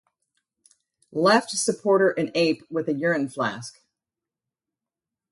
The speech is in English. Left Supporter an ape with a urine flask.